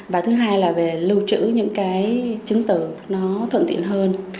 và thứ hai là về lưu trữ những chứng từ nó thuận tiện hơn